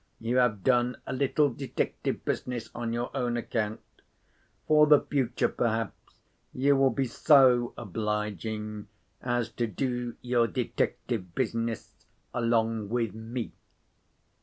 You have done a little detective business on your own account. For the future, perhaps you will be so obliging as to do your detective business along with me."